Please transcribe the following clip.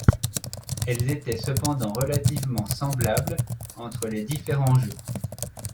Elles étaient cependant relativement semblables entre les différents jeux.